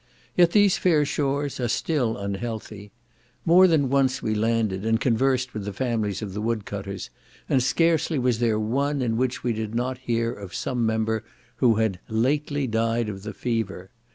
Yet these fair shores are still unhealthy. More than once we landed, and conversed with the families of the wood cutters, and scarcely was there one in which we did not hear of some member who had "lately died of the fever."